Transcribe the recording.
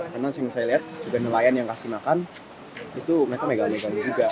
karena yang saya lihat juga nelayan yang dikasih makan itu mereka megang megang juga